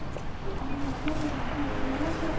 ボタンに割り当てた音を組み合わせ